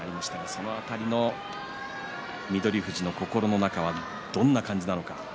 その辺り、翠富士の心の中はどんな感じなのか。